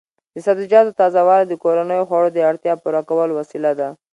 د سبزیجاتو تازه والي د کورنیو خوړو د اړتیا پوره کولو وسیله ده.